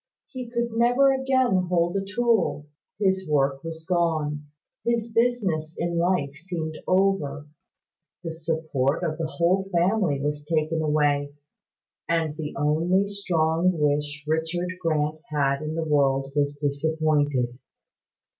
He could never again hold a tool; his work was gone, his business in life seemed over, the support of the whole family was taken away and the only strong wish Richard Grant had in the world was disappointed."